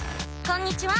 こんにちは。